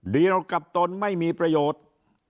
เดียวกับตนไม่มีประโยชน์